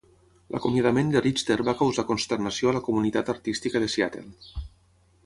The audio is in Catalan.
L'acomiadament de Richter va causar consternació a la comunitat artística de Seattle.